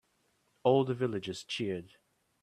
All the villagers cheered.